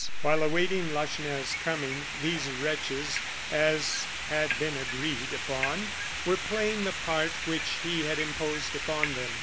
While awaiting Lacheneur's coming, these wretches, as had been agreed upon, were playing the part which he had imposed upon them.